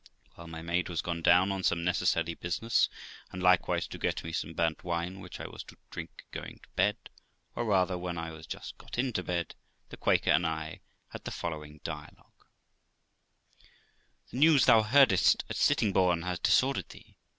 While my maid was gone down on some necessary business, and likewise to get me some burnt wine, which I was to drink going to bed, or rather when I was just got into bed, the Quaker and I had the following dialogue : Quaker, The news thou heardest at Sittingbourne has disordered thee.